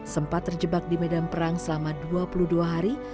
sempat terjebak di medan perang selama dua puluh dua hari